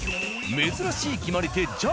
珍しい決まり手ＪＡＬ。